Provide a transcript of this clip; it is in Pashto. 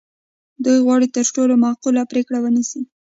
دوی غواړي تر ټولو معقوله پرېکړه ونیسي.